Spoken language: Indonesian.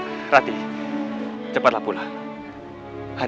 iya fad kita akan kuseyui di o esperar